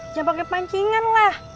jangan pakai pancingan lah